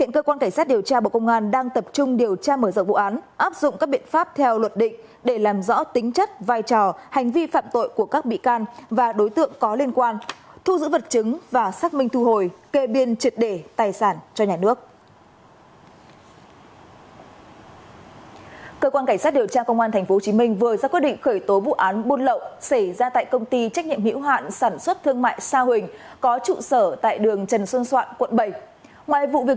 cơ quan cảnh sát điều tra bộ công an đã phát hiện ra nhiều tình tiết mới như công ty nhật cường sử dụng các khoản tiền từ bôn lậu để phục vụ cho hoạt động của nhật cường shockware